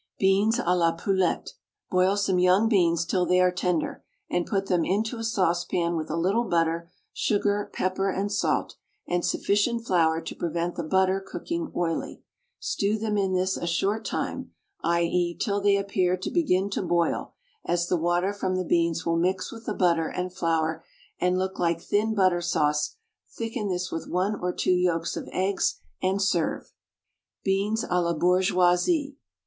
BEANS A LA POULETTE. Boil some young beans till they are tender, and put them into a saucepan with a little butter, sugar, pepper, and salt, and sufficient flour to prevent the butter cooking oily; stew them in this a short time, i.e., till they appear to begin to boil, as the water from the beans will mix with the butter and flour and look like thin butter sauce thicken this with one or two yolks of eggs, and serve. BEANS A LA BOURGEOISE.